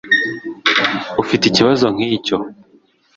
Ufite ikibazo nk icyo